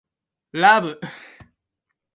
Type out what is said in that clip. He was a lawyer-lobbyist.